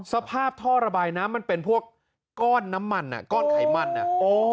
สภาพท่อระบายน้ำมันเป็นพวกก้อนน้ำมันอ่ะก้อนไขมันอ่ะโอ้